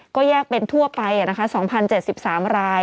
ก็แยกเป็นทั่วไปอ่ะนะคะสองพันเจ็ดสิบสามราย